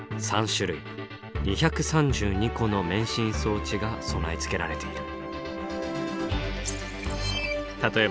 ３種類２３２個の免震装置が備え付けられている。